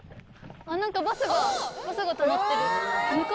何かバスがバスが止まってる。